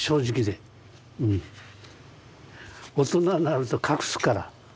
大人になると隠すから。